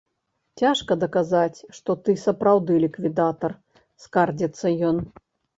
Цяжка даказаць, што ты сапраўды ліквідатар, скардзіцца ён.